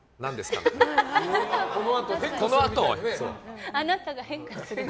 このあとね。